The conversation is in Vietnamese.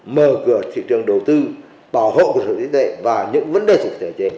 mở cửa thị trường đầu tư bảo hộ của sự tính tệ và những vấn đề sử dụng thể chế